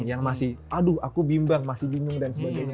yang masih aduh aku bimbang masih jauh